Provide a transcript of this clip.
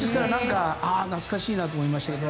懐かしいなと思いましたけど。